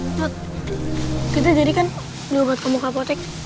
ustadz kita jadikan obat komuk apotek